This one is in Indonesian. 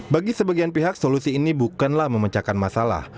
bagi sebagian pihak solusi ini bukanlah memecahkan masalah